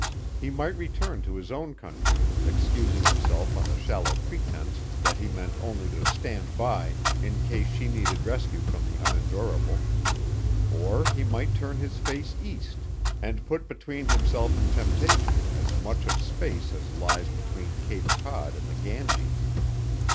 He might return to his own country, excusing himself on the shallow pretense that he meant only to "stand by" in case she needed rescue from the unendurable, or he might turn his face east and put between himself and temptation as much of space as lies between Cape Cod and the Ganges.